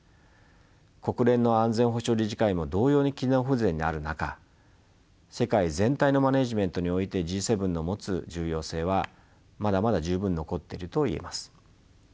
国連の安全保障理事会も同様に機能不全にある中世界全体のマネジメントにおいてＧ７の持つ重要性はまだまだ十分残ってると言えます。